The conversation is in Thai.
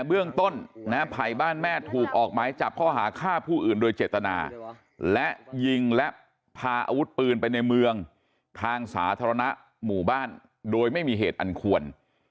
เบื้องต้นไผ่บ้านแม่ถูกออกหมายจับข้อหาฆ่าผู้อื่นโดยเจตนาและยิงและพาอาวุธปืนไปในเมืองทางสาธารณะหมู่บ้านโดยไม่มีเหตุอันควร